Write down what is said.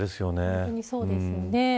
本当にそうですね。